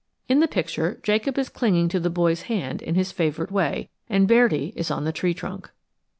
In the picture, Jacob is clinging to the boy's hand in his favorite way, and Bairdi is on the tree trunk.